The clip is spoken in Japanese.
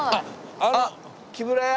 あっ木村屋！